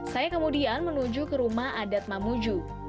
saya kemudian menuju ke rumah adat mamuju